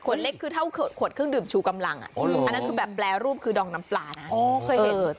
เล็กคือเท่าขวดเครื่องดื่มชูกำลังอันนั้นคือแบบแปรรูปคือดองน้ำปลานะเคยเห็น